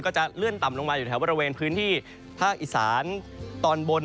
ก็จะเลื่อนต่ำลงมาอยู่แถวบริเวณพื้นที่ภาคอีสานตอนบน